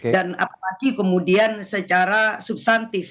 dan apalagi kemudian secara subsantif